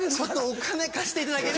お金貸していただける？